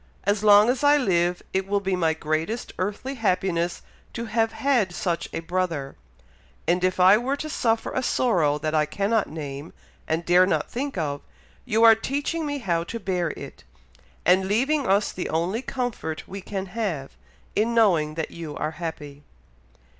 As long as I live, it will be my greatest earthly happiness to have had such a brother; and if we are to suffer a sorrow that I cannot name, and dare not think of, you are teaching me how to bear it, and leaving us the only comfort we can have, in knowing that you are happy."